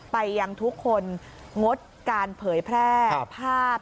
ไปยังทุกคนงดการเผยแพร่ภาพ